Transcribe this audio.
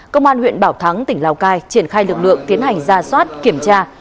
công an huyện bảo thắng tỉnh lào cai triển khai lực lượng tiến hành ra soát kiểm tra